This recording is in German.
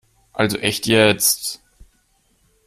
Also echt jetzt!